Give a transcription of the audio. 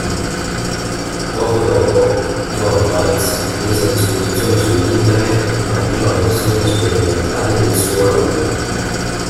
Poco dopo, Torvalds mise a disposizione su Internet una prima versione sperimentale del suo lavoro.